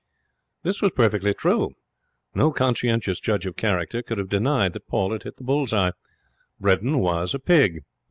This was perfectly true. No conscientious judge of character could have denied that Paul had hit the bull's eye. Bredin was a pig.